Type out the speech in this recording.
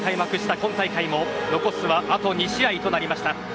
今大会も残すはあと２試合となりました。